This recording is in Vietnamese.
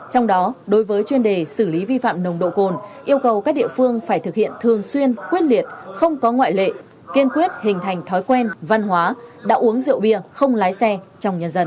trong đó đối với chuyên đề xử lý vi phạm nồng độ cồn yêu cầu các địa phương phải thực hiện thường xuyên quyết liệt không có ngoại lệ kiên quyết hình thành thói quen văn hóa đã uống rượu bia không lái xe trong nhân dân